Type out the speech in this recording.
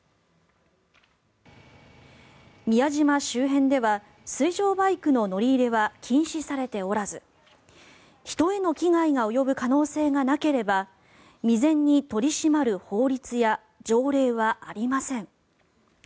宮島周辺では水上バイクの乗り入れは禁止されておらず人への危害が及ぶ可能性がなければ未然に取り締まる法律や条例はありません。